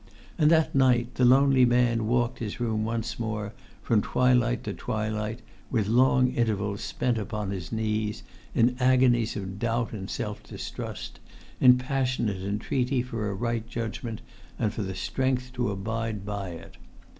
And that night the lonely man walked his room once more, from twilight to twilight, with long intervals spent upon his knees, in agonies of doubt and self distrust, in passionate entreaty for a right judgment, and for the strength to abide by it.